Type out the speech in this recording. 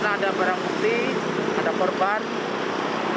karena ada barang putih